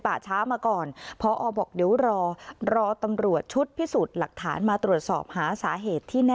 ท่านสมัสก็ได้ยินท่านสมัสก็ได้ยิน